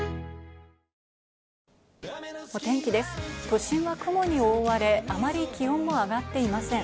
都心は雲に覆われ、あまり気温も上がっていません。